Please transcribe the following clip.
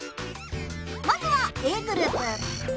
まずはＡグループ。